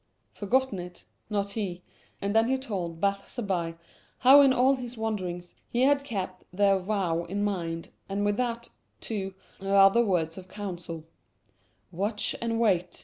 Forgotten it? Not he. And then he told Bath Zabbai how in all his wanderings he had kept their vow in mind, and with that, too, her other words of counsel, "Watch and Wait."